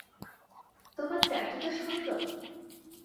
তোমার ট্যাটুটা সুন্দর।